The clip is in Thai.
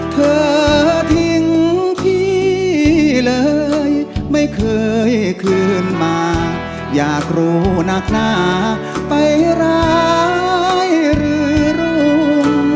เธอทิ้งพี่เลยไม่เคยคืนมาอยากรู้นักหนาไปร้ายหรือรุ่ง